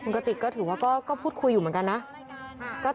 กติกก็ถือว่าก็พูดคุยอยู่เหมือนกันนะ